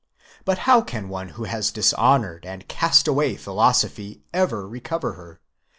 But how can one who has dishonoured and cast away philosophy, ever recover her?